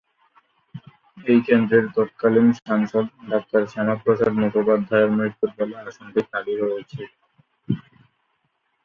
এই কেন্দ্রের তৎকালীন সাংসদ ডাক্তার শ্যামাপ্রসাদ মুখোপাধ্যায়ের মৃত্যুর ফলে আসনটি খালি হয়েছিল।